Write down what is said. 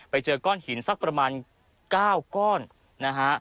ไปเจอก้อนหินสักประมาณ๙ก้อนนะฮะ